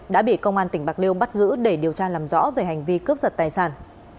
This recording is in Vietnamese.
đã bị công an tỉnh bạc liêu bắt giữ để điều tra làm rõ về hành vi cướp giật tài sản